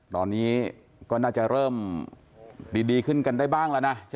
ตอนนี้ก็น่าจะเริ่มดีขึ้นกันได้บ้างแล้วนะ